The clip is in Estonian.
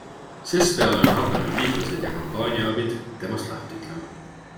Sestpeale on hakanud liitlased ja kampaaniaabid temast lahti ütlema.